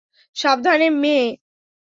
সাবধানে, মেয়ে!